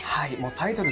タイトル